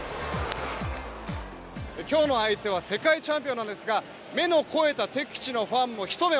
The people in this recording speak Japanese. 今日の相手は世界チャンピオンなんですが目の肥えた敵地のファンもひと目